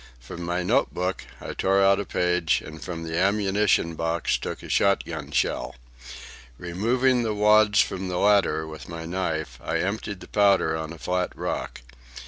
From my note book I tore out a page, and from the ammunition box took a shot gun shell. Removing the wads from the latter with my knife, I emptied the powder on a flat rock.